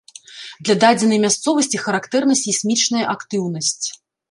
Для дадзенай мясцовасці характэрна сейсмічная актыўнасць.